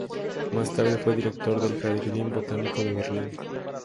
Más tarde, fue director del jardín botánico de Berlín.